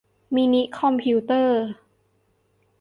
มินิคอมพิวเตอร์